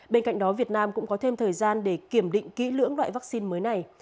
bên cạnh đó việt nam cũng có thêm thời gian để kiểm định kỹ lưỡng loại vaccine mới này